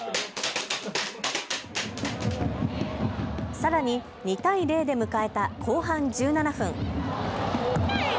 さらに２対０で迎えた後半１７分。